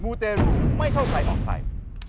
ูเตรูไม่เข้าใครออกใคร